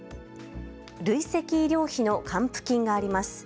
累積医療費の還付金があります。